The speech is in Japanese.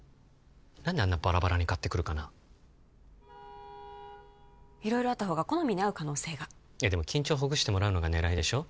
何であんなバラバラに買ってくるかな色々あった方が好みに合う可能性がいやでも緊張ほぐしてもらうのが狙いでしょ